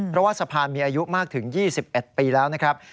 เพราะว่าสะพานมีอายุมากถึง๒๑ปีแล้วนะครับ